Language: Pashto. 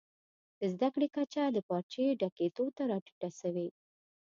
د زده کړي کچه د پارچې ډکېدو ته راټیټه سوې.